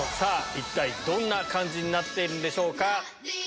どんな感じになっているんでしょうか？